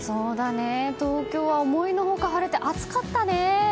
東京は思いの外晴れて暑かったね！